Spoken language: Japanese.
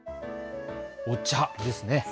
お茶ですね。